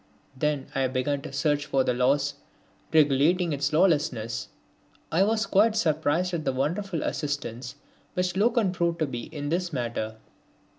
Then I began to search for the laws regulating its lawlessness. I was quite surprised at the wonderful assistance which Loken proved to be in this matter.